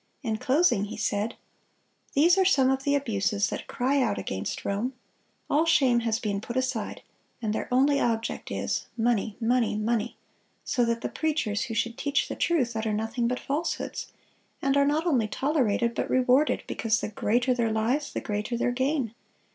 In closing he said: "These are some of the abuses that cry out against Rome. All shame has been put aside, and their only object is ... money, money, money, ... so that the preachers who should teach the truth, utter nothing but falsehoods, and are not only tolerated, but rewarded, because the greater their lies, the greater their gain.